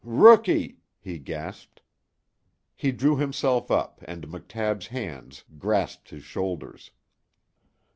"Rookie!" he gasped. He drew himself up, and McTabb's hands grasped his shoulders.